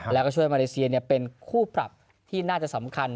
แล้วก็ช่วยมาเลเซียเป็นคู่ปรับที่น่าจะสำคัญ